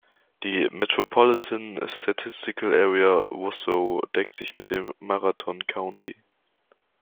Die "Metropolitan Statistical Area Wausau" deckt sich mit dem Marathon County.